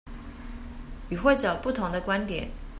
與會者不同的觀點